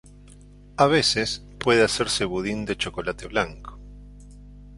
A veces puede hacerse budín de chocolate blanco.